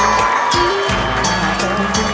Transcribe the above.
ที่แสนดีใจแต่รับจดหมายฟังไว้เสียหนึ่ง